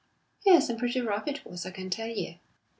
"Yes; and pretty rough it was, I can tell you."